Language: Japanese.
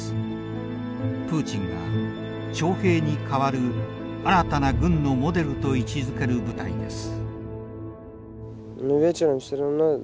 プーチンが徴兵に代わる新たな軍のモデルと位置づける部隊です。